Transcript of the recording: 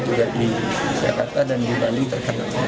juga di jakarta dan di bali terkena